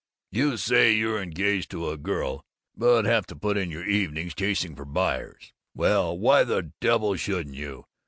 You say you're engaged to a girl, but have to put in your evenings chasing after buyers. Well, why the devil shouldn't you?